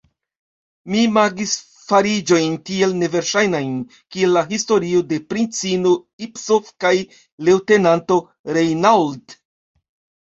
Mi imagis fariĝojn tiel neverŝajnajn, kiel la historio de princino Ipsof kaj leŭtenanto Reinauld.